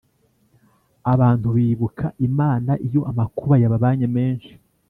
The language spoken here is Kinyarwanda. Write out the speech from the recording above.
Abantu bibuka imana iyo amakuba yababanye menshi.